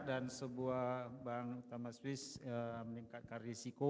dan sebuah bank tamasvis meningkatkan risiko